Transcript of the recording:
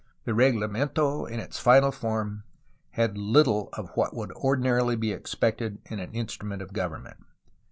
The reglamento in its final form had little of what would ordinarily be expected in an instrument of government.